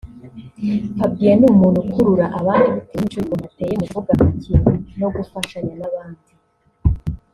Fabien ni umuntu ukurura abandi bitewe n’imico y’ukuntu ateye mu kuvuga make no gufashanya n’abandi